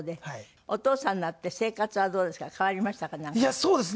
いやそうですね。